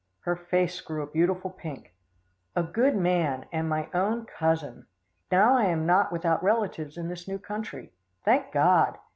Her face grew a beautiful pink. "A good man, and my own cousin. Now I am not without relatives in this new country. Thank God!